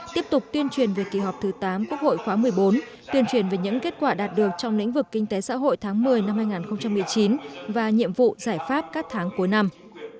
tiếp tục tuyên truyền về kỳ họp thứ tám quốc hội khóa một mươi bốn tuyên truyền về những kết quả đạt được trong lĩnh vực kinh tế xã hội tháng một mươi năm hai nghìn một mươi chín và nhiệm vụ giải pháp các tháng cuối năm